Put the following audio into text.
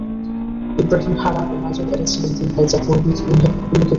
ইবরাহীম, হারান ও নাজুর এরা ছিলেন তিন ভাই যা পূর্বেই উল্লিখিত হয়েছে।